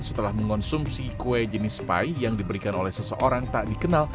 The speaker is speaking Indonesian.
setelah mengonsumsi kue jenis spi yang diberikan oleh seseorang tak dikenal